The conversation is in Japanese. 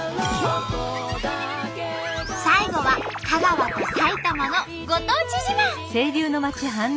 最後は香川と埼玉のご当地自慢！